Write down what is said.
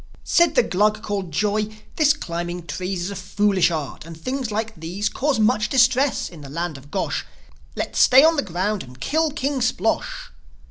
Said the Glug called Joi, "This climbing trees Is a foolish art, and things like these Cause much distress in the land of Gosh. Let's stay on the ground and kill King Splosh!"